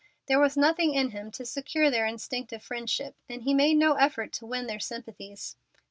There was nothing in him to secure their instinctive friendship, and he made no effort to win their sympathies.